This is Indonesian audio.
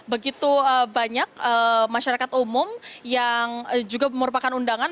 begitu banyak masyarakat umum yang juga merupakan undangan